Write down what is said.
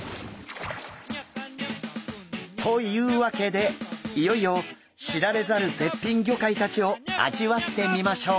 というわけでいよいよ知られざる絶品魚介たちを味わってみましょう。